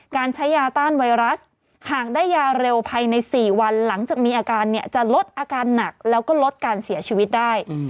การใช้ยาต้านไวรัสหากได้ยาเร็วภายใน๔วันหลังจากมีอาการเนี่ยจะลดอาการหนักแล้วก็ลดการเสียชีวิตได้